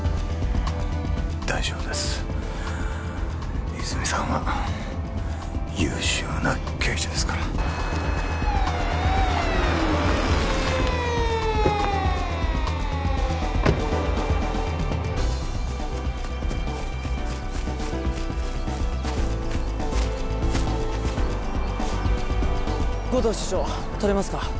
大丈夫です泉さんは優秀な刑事ですから護道室長取れますか？